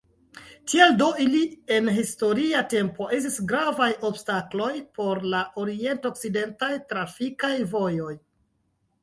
Tiel do ili en historia tempo estis gravaj obstakloj por la orient-okcidentaj trafikaj vojoj.